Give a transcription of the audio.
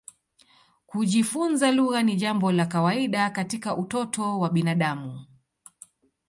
Kujifunza lugha ni jambo la kawaida katika utoto wa binadamu.